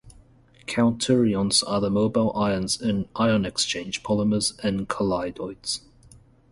Counterions are the mobile ions in ion exchange polymers and colloids.